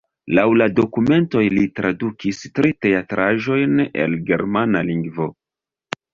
Laŭ la dokumentoj li tradukis tri teatraĵojn el germana lingvo.